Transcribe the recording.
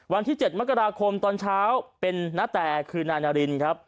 วันที่๗มกราคมตอนเช้าเป็นนาอาณาลิน